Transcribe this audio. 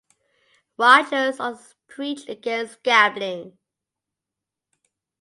Rogers also preached against gambling.